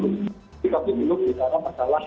jadi kami belum bicara masalah